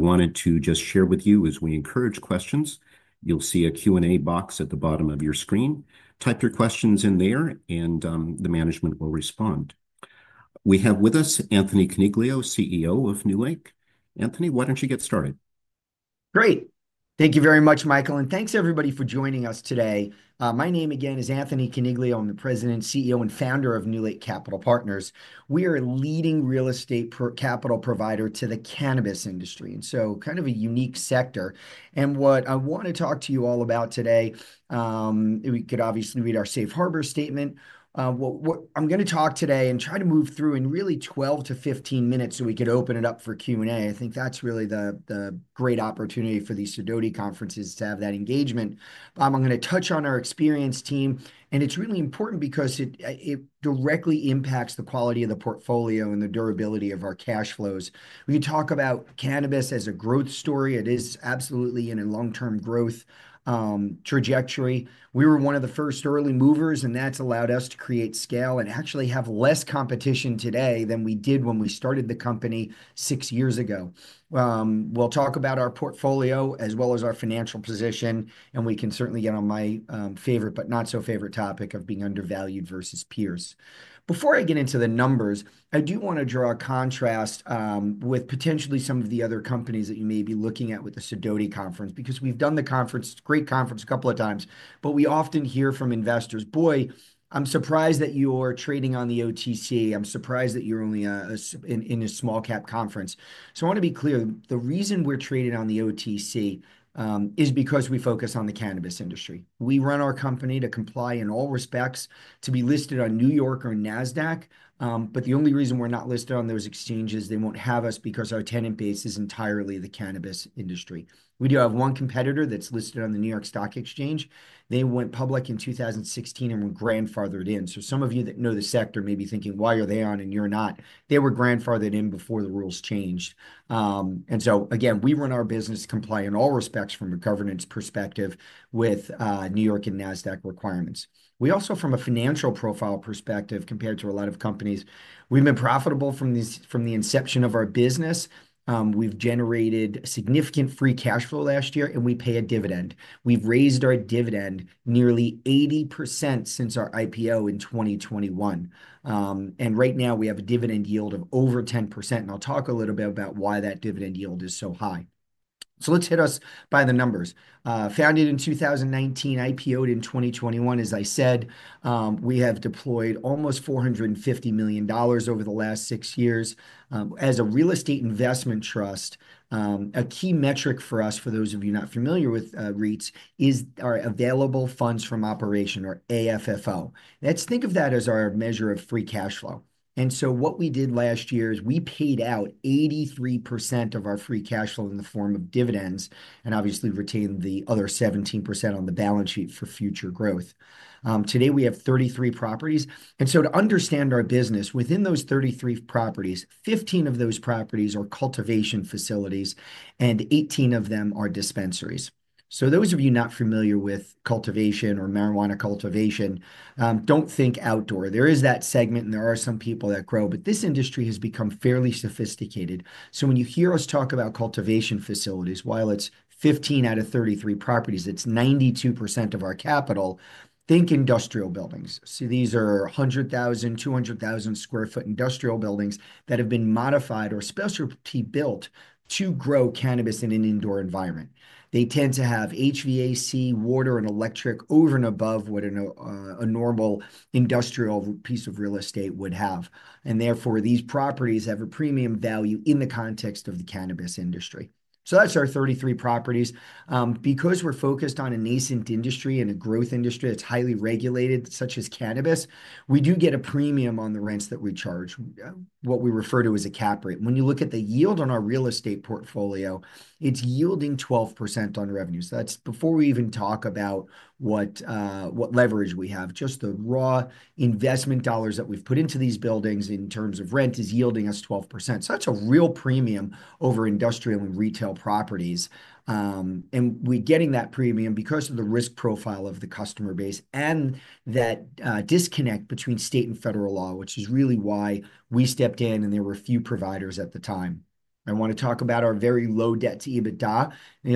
I wanted to just share with you as we encourage questions. You'll see a Q&A box at the bottom of your screen. Type your questions in there, and the management will respond. We have with us Anthony Coniglio, CEO of NewLake. Anthony, why don't you get started? Great. Thank you very much, Michael, and thanks everybody for joining us today. My name again is Anthony Coniglio. I'm the President, CEO, and founder of NewLake Capital Partners. We are a leading real estate capital provider to the cannabis industry, kind of a unique sector. What I want to talk to you all about today, we could obviously read our Safe Harbor statement. What I'm going to talk today and try to move through in really 12 to 15 minutes so we could open it up for Q&A. I think that's really the great opportunity for these Sidoti conferences to have that engagement. I'm going to touch on our experienced team, and it's really important because it directly impacts the quality of the portfolio and the durability of our cash flows. We can talk about cannabis as a growth story. It is absolutely in a long-term growth trajectory. We were one of the first early movers, and that's allowed us to create scale and actually have less competition today than we did when we started the company six years ago. We'll talk about our portfolio as well as our financial position, and we can certainly get on my favorite, but not so favorite topic of being undervalued versus peers. Before I get into the numbers, I do want to draw a contrast with potentially some of the other companies that you may be looking at with the Sidoti conference because we've done the conference, great conference a couple of times, but we often hear from investors, "Boy, I'm surprised that you are trading on the OTC. I'm surprised that you're only in a small cap conference." I want to be clear. The reason we're traded on the OTC is because we focus on the cannabis industry. We run our company to comply in all respects, to be listed on New York or NASDAQ, but the only reason we're not listed on those exchanges, they won't have us because our tenant base is entirely the cannabis industry. We do have one competitor that's listed on the New York Stock Exchange. They went public in 2016 and were grandfathered in. Some of you that know the sector may be thinking, "Why are they on and you're not?" They were grandfathered in before the rules changed. We run our business comply in all respects from a governance perspective with New York and NASDAQ requirements. We also, from a financial profile perspective, compared to a lot of companies, we've been profitable from the inception of our business. We've generated significant free cash flow last year, and we pay a dividend. We've raised our dividend nearly 80% since our IPO in 2021. Right now, we have a dividend yield of over 10%, and I'll talk a little bit about why that dividend yield is so high. Let's hit us by the numbers. Founded in 2019, IPO'd in 2021. As I said, we have deployed almost $450 million over the last six years as a real estate investment trust. A key metric for us, for those of you not familiar with REITs, is our available funds from operation or AFFO. Let's think of that as our measure of free cash flow. What we did last year is we paid out 83% of our free cash flow in the form of dividends and obviously retained the other 17% on the balance sheet for future growth. Today, we have 33 properties. To understand our business, within those 33 properties, 15 of those properties are cultivation facilities and 18 of them are dispensaries. For those of you not familiar with cultivation or marijuana cultivation, do not think outdoor. There is that segment, and there are some people that grow, but this industry has become fairly sophisticated. When you hear us talk about cultivation facilities, while it is 15 out of 33 properties, it is 92% of our capital. Think industrial buildings. These are 100,000, 200,000 sq ft industrial buildings that have been modified or specialty built to grow cannabis in an indoor environment. They tend to have HVAC, water, and electric over and above what a normal industrial piece of real estate would have. Therefore, these properties have a premium value in the context of the cannabis industry. That is our 33 properties. Because we're focused on a nascent industry and a growth industry that's highly regulated, such as cannabis, we do get a premium on the rents that we charge, what we refer to as a cap rate. When you look at the yield on our real estate portfolio, it's yielding 12% on revenue. That's before we even talk about what leverage we have. Just the raw investment dollars that we've put into these buildings in terms of rent is yielding us 12%. That's a real premium over industrial and retail properties. We're getting that premium because of the risk profile of the customer base and that disconnect between state and federal law, which is really why we stepped in, and there were a few providers at the time. I want to talk about our very low debt to EBITDA.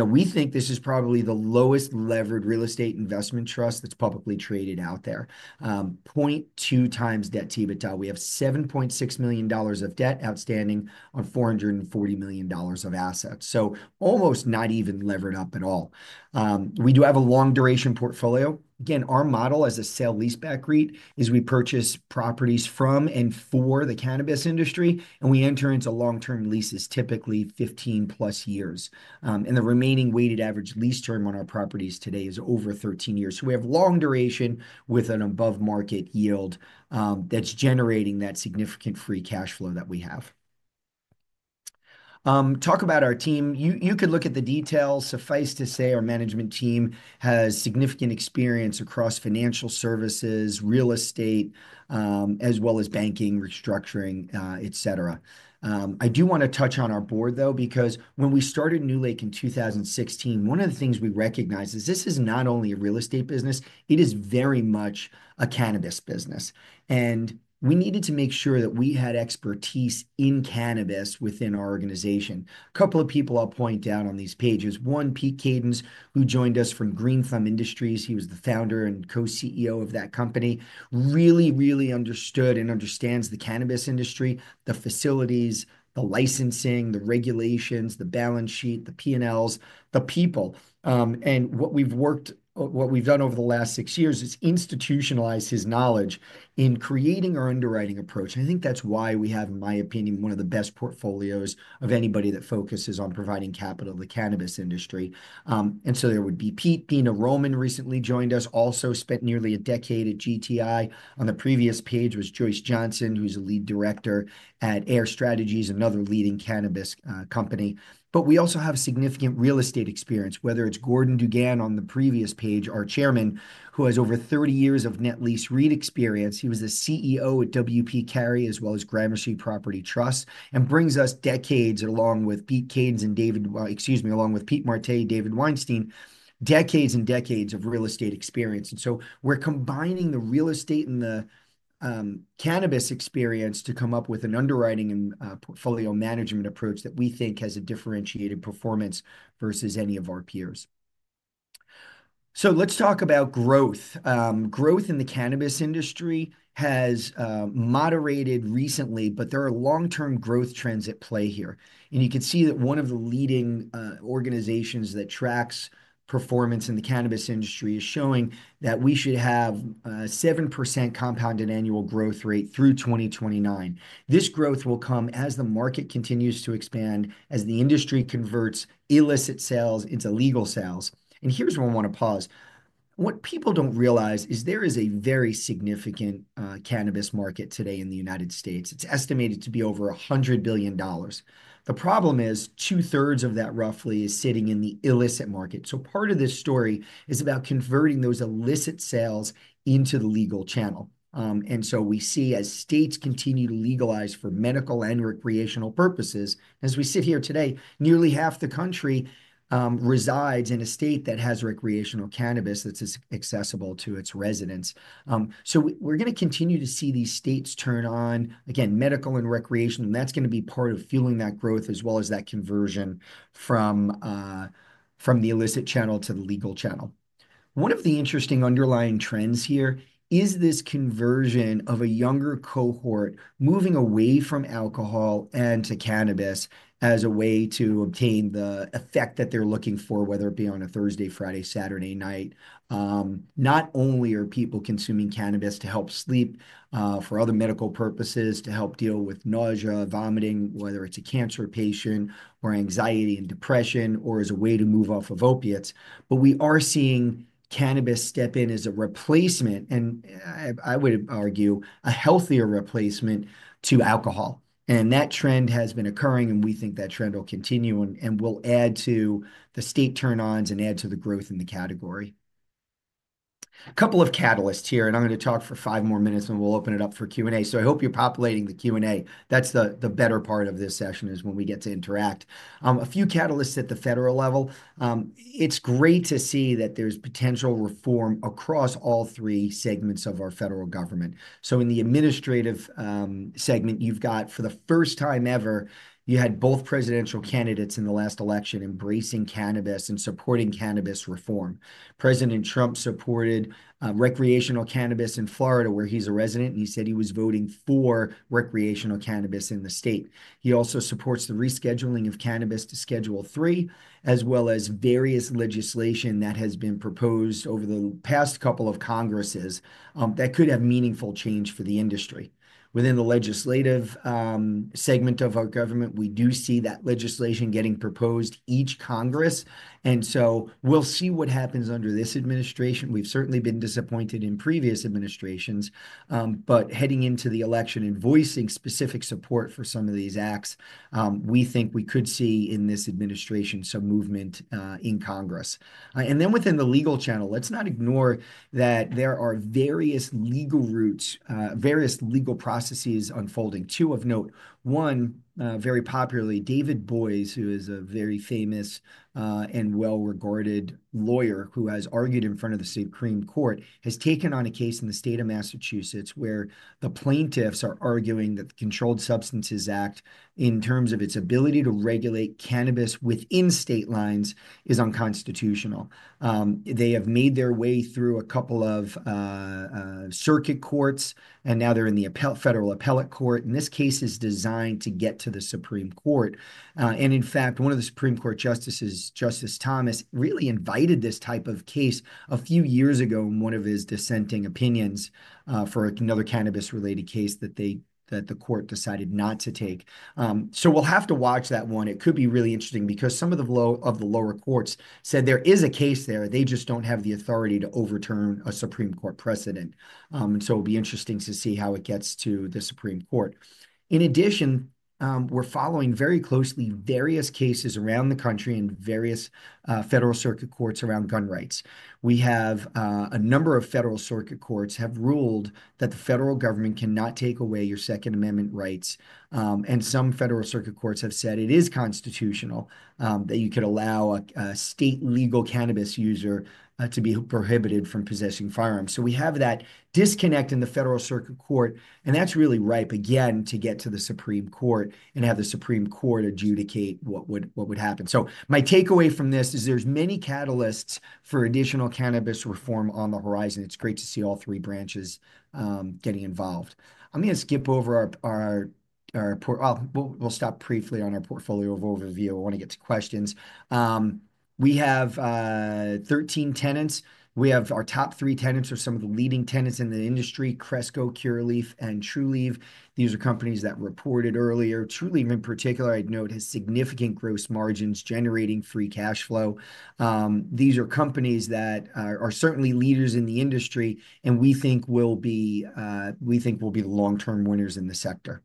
We think this is probably the lowest levered real estate investment trust that's publicly traded out there. 0.2x debt to EBITDA. We have $7.6 million of debt outstanding on $440 million of assets. Almost not even levered up at all. We do have a long duration portfolio. Again, our model as a sale-leaseback REIT is we purchase properties from and for the cannabis industry, and we enter into long-term leases, typically +15 years. The remaining weighted average lease term on our properties today is over 13 years. We have long duration with an above market yield that's generating that significant free cash flow that we have. Talk about our team. You could look at the details. Suffice to say, our management team has significant experience across financial services, real estate, as well as banking, restructuring, etc. I do want to touch on our board, though, because when we started NewLake in 2016, one of the things we recognized is this is not only a real estate business, it is very much a cannabis business. We needed to make sure that we had expertise in cannabis within our organization. A couple of people I'll point out on these pages, one Pete Kadens, who joined us from Green Thumb Industries. He was the founder and co-CEO of that company, really, really understood and understands the cannabis industry, the facilities, the licensing, the regulations, the balance sheet, the P&Ls, the people. What we've worked, what we've done over the last six years is institutionalize his knowledge in creating our underwriting approach. I think that's why we have, in my opinion, one of the best portfolios of anybody that focuses on providing capital to the cannabis industry. There would be Roman recently joined us, also spent nearly a decade at GTI. On the previous page was Joyce Johnson, who's a lead director at AYR Strategies, another leading cannabis company. We also have significant real estate experience, whether it's Gordon Dugan on the previous page, our Chairman, who has over 30 years of net lease REIT experience. He was the CEO at W. P. Carey as well as Gramercy Property Trust and brings us decades along with Pete Kadens and David, excuse me, along with Scott Marte and David Weinstein, decades and decades of real estate experience. We are combining the real estate and the cannabis experience to come up with an underwriting and portfolio management approach that we think has a differentiated performance versus any of our peers. Let's talk about growth. Growth in the cannabis industry has moderated recently, but there are long-term growth trends at play here. You can see that one of the leading organizations that tracks performance in the cannabis industry is showing that we should have a 7% compounded annual growth rate through 2029. This growth will come as the market continues to expand, as the industry converts illicit sales into legal sales. Here's where I want to pause. What people don't realize is there is a very significant cannabis market today in the U.S. It's estimated to be over $100 billion. The problem is two-thirds of that roughly is sitting in the illicit market. Part of this story is about converting those illicit sales into the legal channel. We see as states continue to legalize for medical and recreational purposes, as we sit here today, nearly half the country resides in a state that has recreational cannabis that's accessible to its residents. We are going to continue to see these states turn on, again, medical and recreational. That is going to be part of fueling that growth as well as that conversion from the illicit channel to the legal channel. One of the interesting underlying trends here is this conversion of a younger cohort moving away from alcohol and to cannabis as a way to obtain the effect that they're looking for, whether it be on a Thursday, Friday, Saturday night. Not only are people consuming cannabis to help sleep, for other medical purposes, to help deal with nausea, vomiting, whether it's a cancer patient or anxiety and depression, or as a way to move off of opiates, but we are seeing cannabis step in as a replacement, and I would argue a healthier replacement to alcohol. That trend has been occurring, and we think that trend will continue and will add to the state turn-ons and add to the growth in the category. A couple of catalysts here, and I'm going to talk for five more minutes, and we'll open it up for Q&A. I hope you're populating the Q&A. That's the better part of this session is when we get to interact. A few catalysts at the federal level. It's great to see that there's potential reform across all three segments of our federal government. In the administrative segment, you've got for the first time ever, you had both presidential candidates in the last election embracing cannabis and supporting cannabis reform. President Trump supported recreational cannabis in Florida, where he's a resident, and he said he was voting for recreational cannabis in the state. He also supports the rescheduling of cannabis to Schedule III, as well as various legislation that has been proposed over the past couple of congresses that could have meaningful change for the industry. Within the legislative segment of our government, we do see that legislation getting proposed each congress. We will see what happens under this administration. We've certainly been disappointed in previous administrations, but heading into the election and voicing specific support for some of these acts, we think we could see in this administration some movement in Congress. Within the legal channel, let's not ignore that there are various legal routes, various legal processes unfolding. Two of note, one very popularly, David Boies, who is a very famous and well-regarded lawyer who has argued in front of the Supreme Court, has taken on a case in the state of Massachusetts where the plaintiffs are arguing that the Controlled Substances Act, in terms of its ability to regulate cannabis within state lines, is unconstitutional. They have made their way through a couple of circuit courts, and now they're in the federal appellate court. This case is designed to get to the Supreme Court. In fact, one of the Supreme Court justices, Justice Thomas, really invited this type of case a few years ago in one of his dissenting opinions for another cannabis-related case that the court decided not to take. We'll have to watch that one. It could be really interesting because some of the lower courts said there is a case there. They just do not have the authority to overturn a Supreme Court precedent. It will be interesting to see how it gets to the Supreme Court. In addition, we're following very closely various cases around the country and various federal circuit courts around gun rights. We have a number of federal circuit courts that have ruled that the federal government cannot take away your Second Amendment rights. Some federal circuit courts have said it is constitutional that you could allow a state legal cannabis user to be prohibited from possessing firearms. We have that disconnect in the federal circuit court, and that's really ripe again to get to the Supreme Court and have the Supreme Court adjudicate what would happen. My takeaway from this is there's many catalysts for additional cannabis reform on the horizon. It's great to see all three branches getting involved. I'm going to skip over our portfolio. We'll stop briefly on our portfolio overview. I want to get to questions. We have 13 tenants. We have our top three tenants or some of the leading tenants in the industry, Cresco, Curaleaf, and Trulieve. These are companies that reported earlier. Trulieve, in particular, I'd note, has significant gross margins generating free cash flow. These are companies that are certainly leaders in the industry and we think will be the long-term winners in the sector.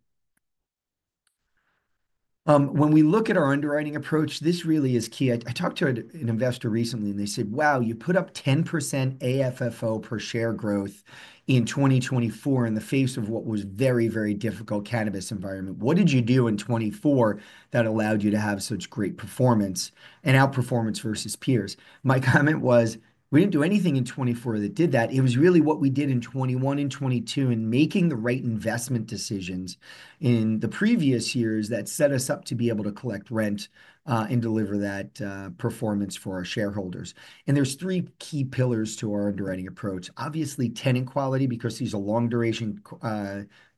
When we look at our underwriting approach, this really is key. I talked to an investor recently, and they said, "Wow, you put up 10% AFFO per share growth in 2024 in the face of what was a very, very difficult cannabis environment. What did you do in 2024 that allowed you to have such great performance and outperformance versus peers?" My comment was, "We didn't do anything in 2024 that did that. It was really what we did in 2021 and 2022 in making the right investment decisions in the previous years that set us up to be able to collect rent and deliver that performance for our shareholders." There are three key pillars to our underwriting approach. Obviously, tenant quality because these are long-duration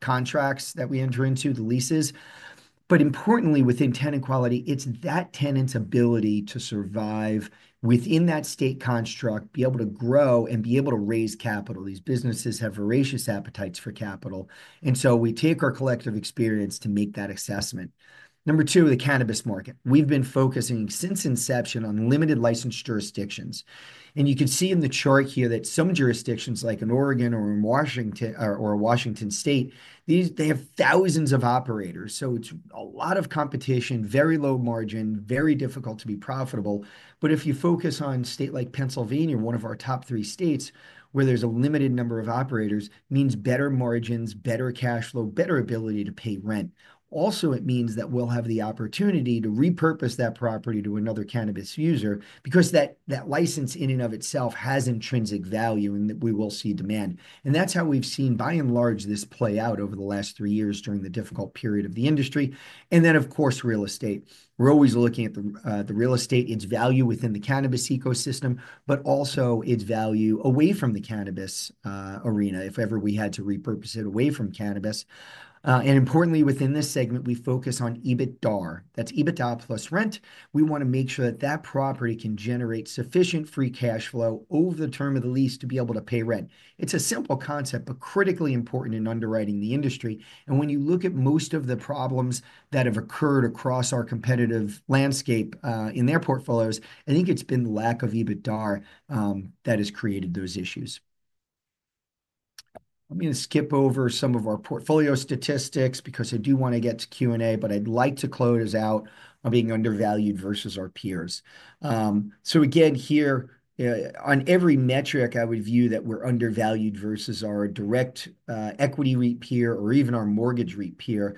contracts that we enter into, the leases. Importantly, within tenant quality, it's that tenant's ability to survive within that state construct, be able to grow, and be able to raise capital. These businesses have voracious appetites for capital. We take our collective experience to make that assessment. Number two, the cannabis market. We've been focusing since inception on limited licensed jurisdictions. You can see in the chart here that some jurisdictions, like in Oregon or in Washington State, have thousands of operators. It is a lot of competition, very low margin, very difficult to be profitable. If you focus on a state like Pennsylvania, one of our top three states, where there is a limited number of operators, it means better margins, better cash flow, better ability to pay rent. Also, it means that we will have the opportunity to repurpose that property to another cannabis user because that license in and of itself has intrinsic value and we will see demand. That is how we have seen, by and large, this play out over the last three years during the difficult period of the industry. Of course, real estate. We are always looking at the real estate, its value within the cannabis ecosystem, but also its value away from the cannabis arena, if ever we had to repurpose it away from cannabis. Importantly, within this segment, we focus on EBITDAR. That is EBITDA plus rent. We want to make sure that that property can generate sufficient free cash flow over the term of the lease to be able to pay rent. It is a simple concept, but critically important in underwriting the industry. When you look at most of the problems that have occurred across our competitive landscape in their portfolios, I think it has been the lack of EBITDAR that has created those issues. I'm going to skip over some of our portfolio statistics because I do want to get to Q&A, but I'd like to close out on being undervalued versus our peers. Again, here, on every metric, I would view that we're undervalued versus our direct equity REIT peer or even our mortgage REIT peer.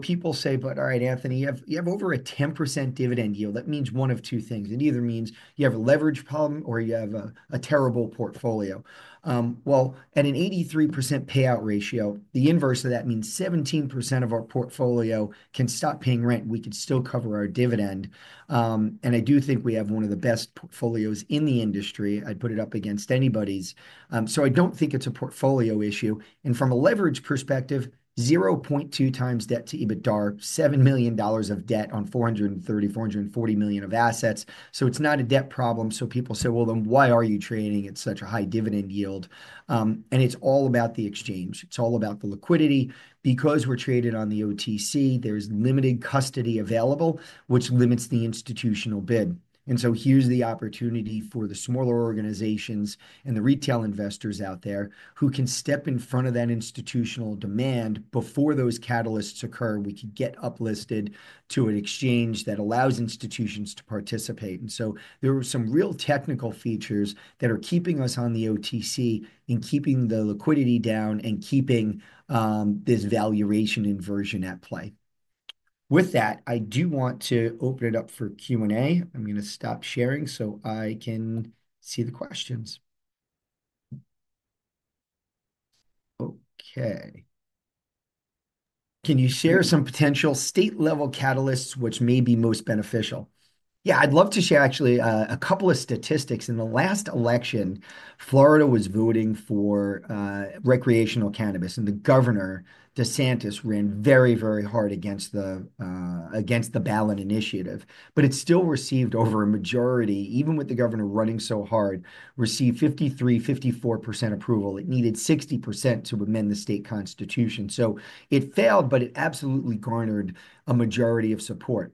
People say, "But all right, Anthony, you have over a 10% dividend yield." That means one of two things. It either means you have a leverage problem or you have a terrible portfolio. At an 83% payout ratio, the inverse of that means 17% of our portfolio can stop paying rent and we could still cover our dividend. I do think we have one of the best portfolios in the industry. I'd put it up against anybody's. I don't think it's a portfolio issue. From a leverage perspective, 0.2x debt to EBITDAR, $7 million of debt on $430-$440 million of assets. It is not a debt problem. People say, "Well, then why are you trading at such a high dividend yield?" It is all about the exchange. It is all about the liquidity. Because we are traded on the OTC, there is limited custody available, which limits the institutional bid. Here is the opportunity for the smaller organizations and the retail investors out there who can step in front of that institutional demand before those catalysts occur. We could get uplisted to an exchange that allows institutions to participate. There are some real technical features that are keeping us on the OTC and keeping the liquidity down and keeping this valuation inversion at play. With that, I do want to open it up for Q&A. I'm going to stop sharing so I can see the questions. Okay. Can you share some potential state-level catalysts which may be most beneficial? Yeah, I'd love to share actually a couple of statistics. In the last election, Florida was voting for recreational cannabis, and the governor, DeSantis, ran very, very hard against the ballot initiative. It still received over a majority, even with the governor running so hard, received 53-54% approval. It needed 60% to amend the state constitution. It failed, but it absolutely garnered a majority of support.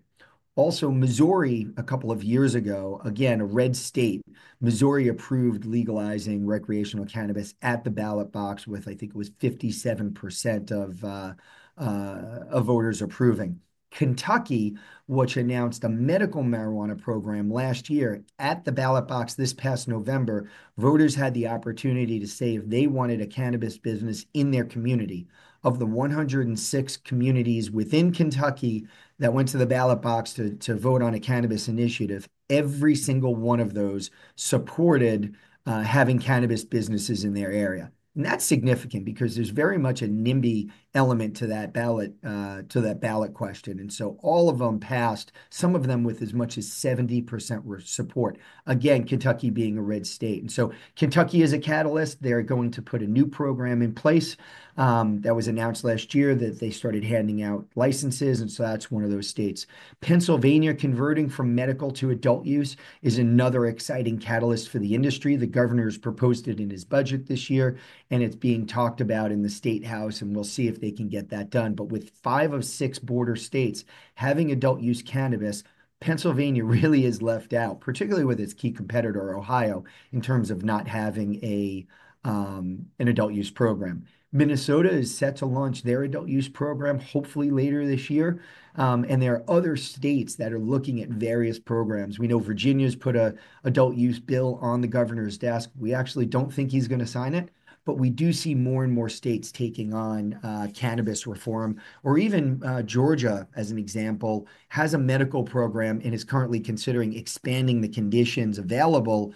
Also, Missouri, a couple of years ago, again, a red state, Missouri approved legalizing recreational cannabis at the ballot box with, I think it was 57% of voters approving. Kentucky, which announced a medical marijuana program last year at the ballot box, this past November, voters had the opportunity to say if they wanted a cannabis business in their community. Of the 106 communities within Kentucky that went to the ballot box to vote on a cannabis initiative, every single one of those supported having cannabis businesses in their area. That is significant because there is very much a NIMBY element to that ballot question. All of them passed, some of them with as much as 70% support. Kentucky being a red state. Kentucky is a catalyst. They are going to put a new program in place that was announced last year that they started handing out licenses. That is one of those states. Pennsylvania converting from medical to adult use is another exciting catalyst for the industry. The governor has proposed it in his budget this year, and it's being talked about in the statehouse, and we'll see if they can get that done. With five of six border states having adult use cannabis, Pennsylvania really is left out, particularly with its key competitor, Ohio, in terms of not having an adult use program. Minnesota is set to launch their adult use program hopefully later this year. There are other states that are looking at various programs. We know Virginia has put an adult use bill on the governor's desk. We actually don't think he's going to sign it, but we do see more and more states taking on cannabis reform. Or even Georgia, as an example, has a medical program and is currently considering expanding the conditions available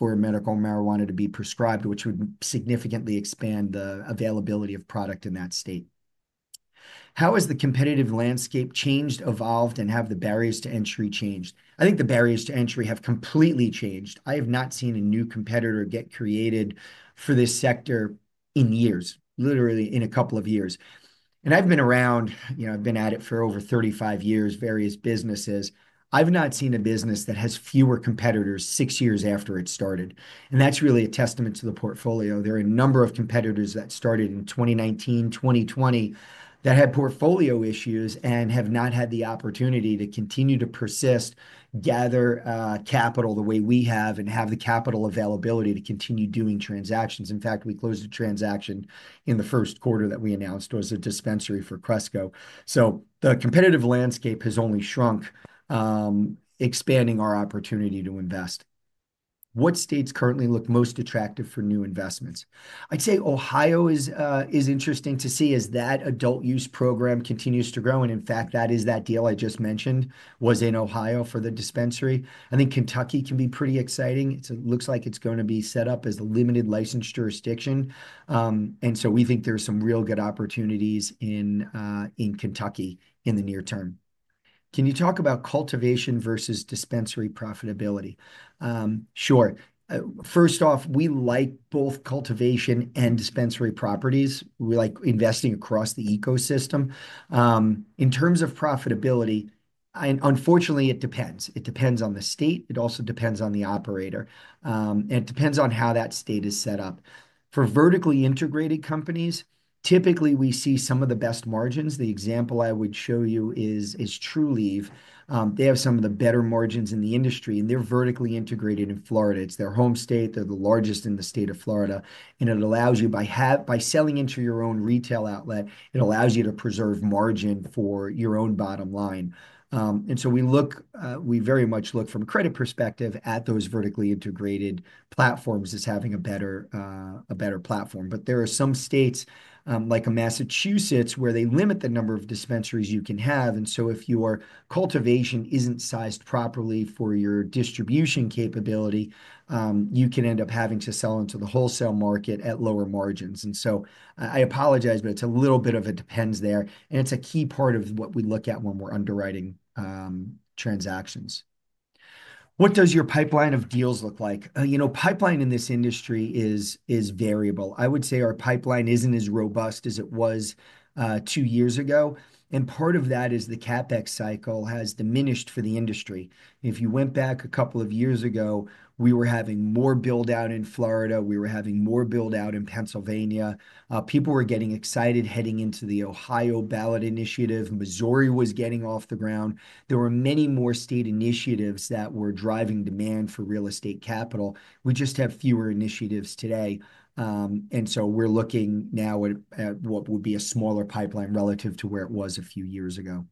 for medical marijuana to be prescribed, which would significantly expand the availability of product in that state. How has the competitive landscape changed, evolved, and have the barriers to entry changed? I think the barriers to entry have completely changed. I have not seen a new competitor get created for this sector in years, literally in a couple of years. And I've been around, you know, I've been at it for over 35 years, various businesses. I've not seen a business that has fewer competitors six years after it started. That's really a testament to the portfolio. There are a number of competitors that started in 2019, 2020 that had portfolio issues and have not had the opportunity to continue to persist, gather capital the way we have, and have the capital availability to continue doing transactions. In fact, we closed a transaction in the first quarter that we announced was a dispensary for Cresco. The competitive landscape has only shrunk, expanding our opportunity to invest. What states currently look most attractive for new investments? I'd say Ohio is interesting to see as that adult use program continues to grow. In fact, that deal I just mentioned was in Ohio for the dispensary. I think Kentucky can be pretty exciting. It looks like it's going to be set up as a limited licensed jurisdiction. We think there's some real good opportunities in Kentucky in the near term. Can you talk about cultivation versus dispensary profitability? Sure. First off, we like both cultivation and dispensary properties. We like investing across the ecosystem. In terms of profitability, unfortunately, it depends. It depends on the state. It also depends on the operator. It depends on how that state is set up. For vertically integrated companies, typically we see some of the best margins. The example I would show you is Trulieve. They have some of the better margins in the industry, and they're vertically integrated in Florida. It's their home state. They're the largest in the state of Florida. It allows you, by selling into your own retail outlet, to preserve margin for your own bottom line. We very much look from a credit perspective at those vertically integrated platforms as having a better platform. There are some states, like Massachusetts, where they limit the number of dispensaries you can have. If your cultivation isn't sized properly for your distribution capability, you can end up having to sell into the wholesale market at lower margins. I apologize, but it's a little bit of a depends there. It's a key part of what we look at when we're underwriting transactions. What does your pipeline of deals look like? You know, pipeline in this industry is variable. I would say our pipeline isn't as robust as it was two years ago. Part of that is the CapEx cycle has diminished for the industry. If you went back a couple of years ago, we were having more buildout in Florida. We were having more buildout in Pennsylvania. People were getting excited heading into the Ohio ballot initiative. Missouri was getting off the ground. There were many more state initiatives that were driving demand for real estate capital. We just have fewer initiatives today. We are looking now at what would be a smaller pipeline relative to where it was a few years ago.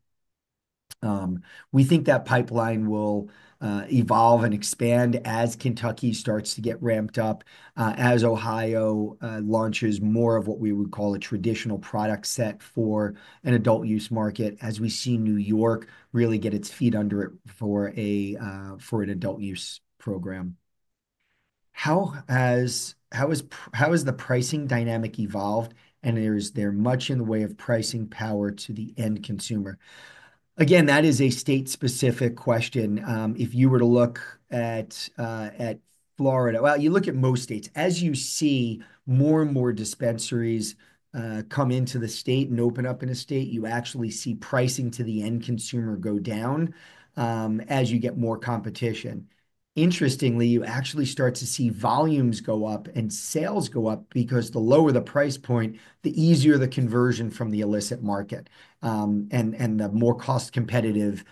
We think that pipeline will evolve and expand as Kentucky starts to get ramped up, as Ohio launches more of what we would call a traditional product set for an adult use market, as we see New York really get its feet under it for an adult use program. How has the pricing dynamic evolved? Is there much in the way of pricing power to the end consumer? Again, that is a state-specific question. If you were to look at Florida, you look at most states. As you see more and more dispensaries come into the state and open up in a state, you actually see pricing to the end consumer go down as you get more competition. Interestingly, you actually start to see volumes go up and sales go up because the lower the price point, the easier the conversion from the illicit market. The more cost-competitive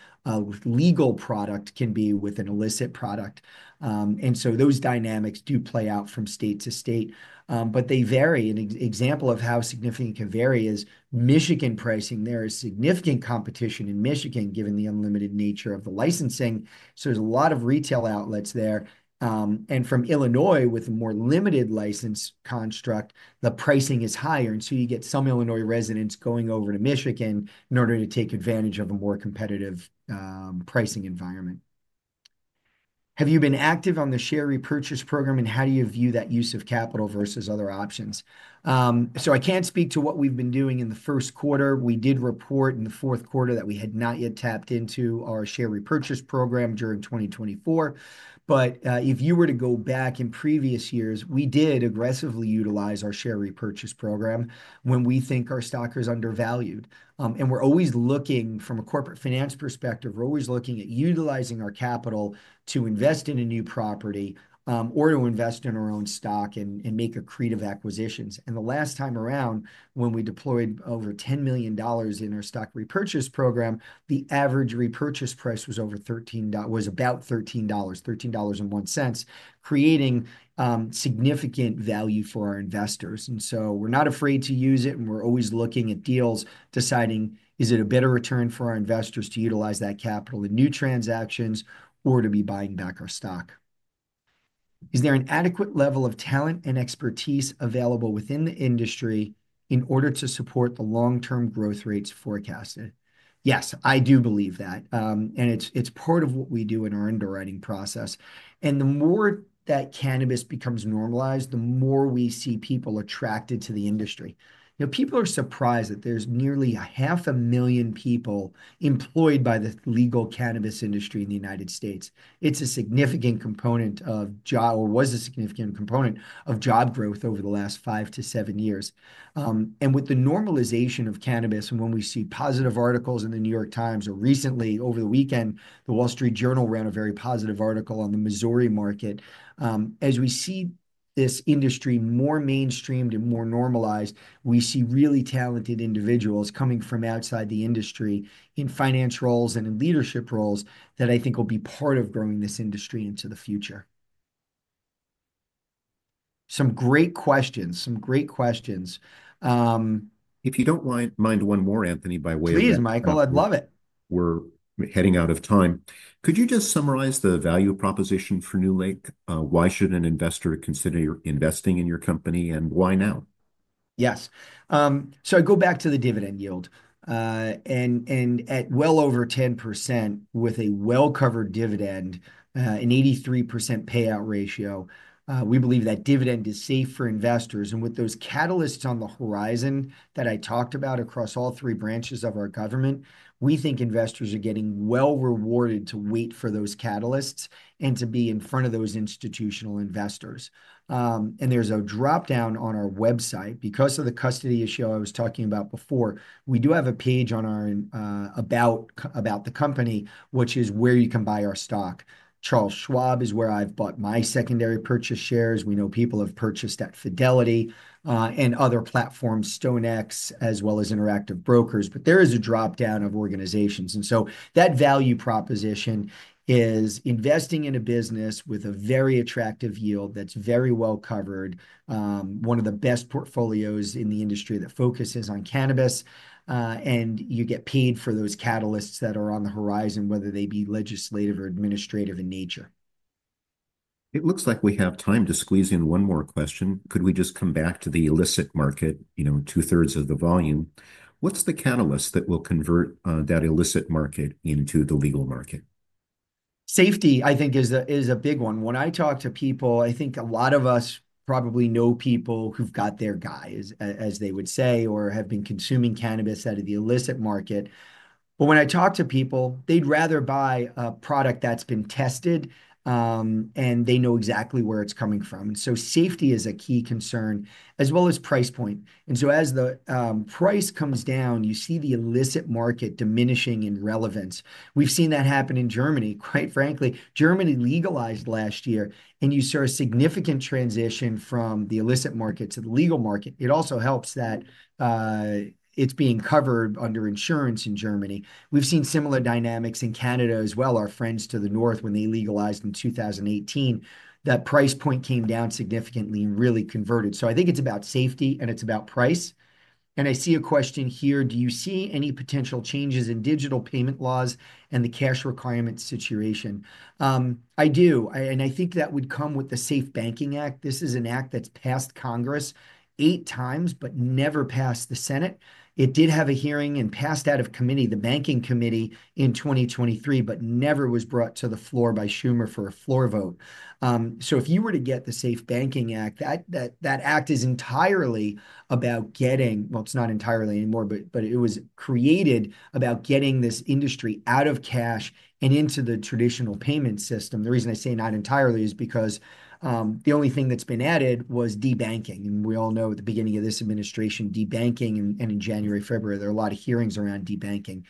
legal product can be with an illicit product. Those dynamics do play out from state to state. They vary. An example of how significant it can vary is Michigan pricing. There is significant competition in Michigan given the unlimited nature of the licensing. There are a lot of retail outlets there. From Illinois, with a more limited license construct, the pricing is higher. You get some Illinois residents going over to Michigan in order to take advantage of a more competitive pricing environment. Have you been active on the share repurchase program, and how do you view that use of capital versus other options? I can't speak to what we've been doing in the first quarter. We did report in the fourth quarter that we had not yet tapped into our share repurchase program during 2024. If you were to go back in previous years, we did aggressively utilize our share repurchase program when we think our stock is undervalued. We're always looking from a corporate finance perspective. We're always looking at utilizing our capital to invest in a new property or to invest in our own stock and make accretive acquisitions. The last time around, when we deployed over $10 million in our stock repurchase program, the average repurchase price was about $13, $13.01, creating significant value for our investors. We are not afraid to use it, and we are always looking at deals, deciding, is it a better return for our investors to utilize that capital in new transactions or to be buying back our stock? Is there an adequate level of talent and expertise available within the industry in order to support the long-term growth rates forecasted? Yes, I do believe that. It is part of what we do in our underwriting process. The more that cannabis becomes normalized, the more we see people attracted to the industry. People are surprised that there are nearly 500,000 people employed by the legal cannabis industry in the U.S. It's a significant component of job or was a significant component of job growth over the last five to seven years. With the normalization of cannabis, and when we see positive articles in The New York Times or recently, over the weekend, The Wall Street Journal ran a very positive article on the Missouri market. As we see this industry more mainstreamed and more normalized, we see really talented individuals coming from outside the industry in finance roles and in leadership roles that I think will be part of growing this industry into the future. Some great questions, some great questions. If you don't mind one more, Anthony, by way of. Please, Michael, I'd love it. We're heading out of time. Could you just summarize the value proposition for NewLake? Why should an investor consider investing in your company and why now? Yes. I go back to the dividend yield. At well over 10% with a well-covered dividend, an 83% payout ratio, we believe that dividend is safe for investors. With those catalysts on the horizon that I talked about across all three branches of our government, we think investors are getting well rewarded to wait for those catalysts and to be in front of those institutional investors. There is a dropdown on our website because of the custody issue I was talking about before. We do have a page on our about the company, which is where you can buy our stock. Charles Schwab is where I've bought my secondary purchase shares. We know people have purchased at Fidelity and other platforms, StoneX, as well as Interactive Brokers. There is a dropdown of organizations. That value proposition is investing in a business with a very attractive yield that's very well covered, one of the best portfolios in the industry that focuses on cannabis. You get paid for those catalysts that are on the horizon, whether they be legislative or administrative in nature. It looks like we have time to squeeze in one more question. Could we just come back to the illicit market, two-thirds of the volume? What's the catalyst that will convert that illicit market into the legal market? Safety, I think, is a big one. When I talk to people, I think a lot of us probably know people who've got their guy, as they would say, or have been consuming cannabis out of the illicit market. When I talk to people, they'd rather buy a product that's been tested and they know exactly where it's coming from. Safety is a key concern as well as price point. As the price comes down, you see the illicit market diminishing in relevance. We've seen that happen in Germany, quite frankly. Germany legalized last year, and you saw a significant transition from the illicit market to the legal market. It also helps that it's being covered under insurance in Germany. We've seen similar dynamics in Canada as well. Our friends to the north, when they legalized in 2018, that price point came down significantly and really converted. I think it's about safety and it's about price. I see a question here. Do you see any potential changes in digital payment laws and the cash requirement situation? I do. I think that would come with the SAFE Banking Act. This is an act that's passed Congress eight times, but never passed the Senate. It did have a hearing and passed out of committee, the banking committee in 2023, but never was brought to the floor by Schumer for a floor vote. If you were to get the SAFE Banking Act, that act is entirely about getting—well, it is not entirely anymore, but it was created about getting this industry out of cash and into the traditional payment system. The reason I say not entirely is because the only thing that has been added was de-banking. We all know at the beginning of this administration, de-banking, and in January, February, there were a lot of hearings around de-banking.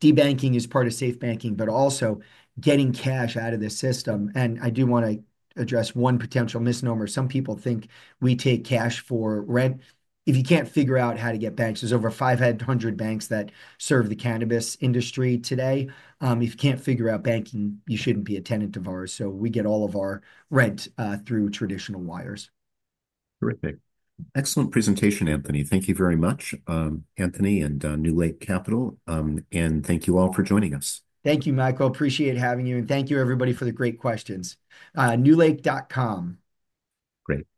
De-banking is part of SAFE Banking, but also getting cash out of the system. I do want to address one potential misnomer. Some people think we take cash for rent. If you can't figure out how to get banks, there's over 500 banks that serve the cannabis industry today. If you can't figure out banking, you shouldn't be a tenant of ours. We get all of our rent through traditional wires. Terrific. Excellent presentation, Anthony. Thank you very much, Anthony and NewLake Capital. Thank you all for joining us. Thank you, Michael. Appreciate having you. Thank you, everybody, for the great questions. NewLake.com. Great.